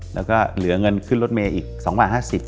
แล้วก็เหลือเงินขึ้นรถเมย์อีก๒บาท๕๐บาท